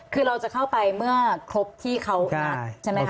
คือเราจะเข้าไปเมื่อครบที่เขานัดใช่ไหมคะ